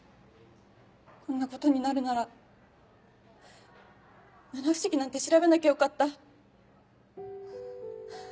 こんなことになるなら七不思議なんて調べなきゃよかった。